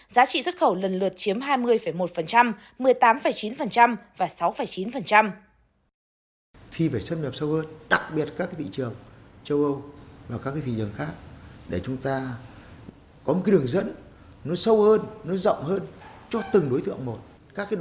giá trị xuất khẩu lần lượt chiếm hai mươi một một mươi tám chín và sáu chín